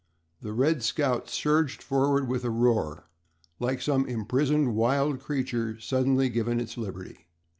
The "Red Scout" surged forward with a roar, like some imprisoned wild creature suddenly given its liberty.